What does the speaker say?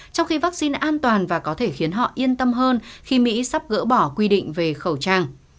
trong khi vaccine an toàn và có thể khiến họ yên tâm hơn khi mỹ sắp gỡ bỏ quy định về khẩu trang